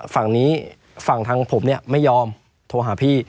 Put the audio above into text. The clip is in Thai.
ฝั่งนี้ฝั่งทางผมเนี่ยไม่ยอมโทรหาพี่